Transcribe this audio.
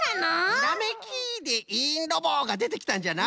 「ひらめき」でいいんロボがでてきたんじゃな。